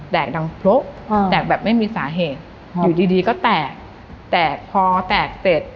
ดังพลุแตกแบบไม่มีสาเหตุอยู่ดีดีก็แตกแตกพอแตกเสร็จ